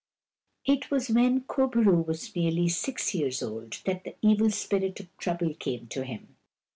It was when Kur bo roo was nearly six years old that the evil spirit of Trouble came to him.